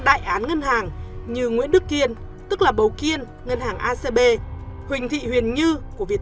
đại án ngân hàng như nguyễn đức kiên tức là bầu kiên ngân hàng acb huỳnh thị huyền như của việt